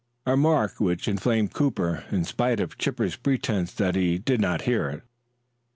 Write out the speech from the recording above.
A remark which inflamed Cooper, in spite of Chipper's pretense that he did not hear it.